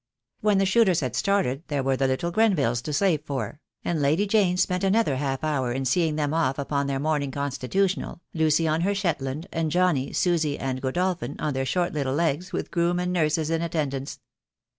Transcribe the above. When the shooters had started there were the little Grenvilles to slave for; and Lady Jane spent another half hour in seeing them off upon their morning constitutional, Lucy on her Shetland, and Johnnie, Susie, and Godolphin on their short little legs, with groom and nurses in attendance.